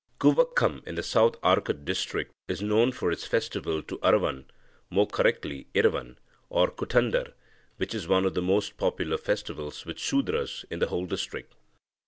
"Kuvvakkam in the South Arcot district is known for its festival to Aravan (more correctly Iravan) or Kuttandar, which is one of the most popular feasts with Sudras in the whole district.